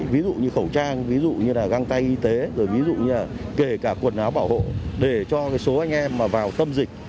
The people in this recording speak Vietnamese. ví dụ như khẩu trang ví dụ như là găng tay y tế rồi ví dụ như là kể cả quần áo bảo hộ để cho số anh em mà vào tâm dịch